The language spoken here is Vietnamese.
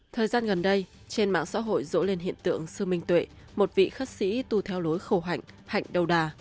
thời gian gần đây trên mạng xã hội rỗ lên hiện tượng sư minh tuệ một vị khất sĩ tu theo lối khổ hạnh hạnh đầu đà